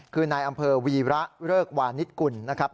คือนายอำเภอวีระเริกวานิสกุลนะครับ